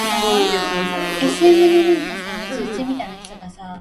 我知道老豆鍾意睇既戲